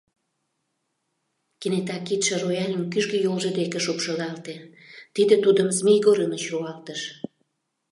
Кенета кидше рояльын кӱжгӧ йолжо деке шупшылалте — тиде тудым Змей Горыныч руалтыш.